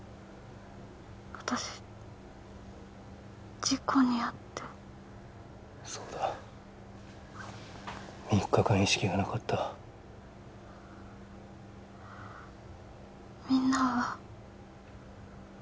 私事故に遭ってそうだ３日間意識がなかったみんなは？